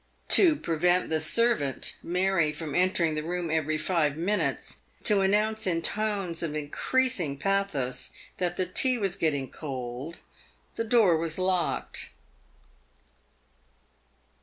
To prevent the servant, Mary, from entering the room every five minutes to announce in tones of increasing pathos that the tea was getting cold, the door was locked.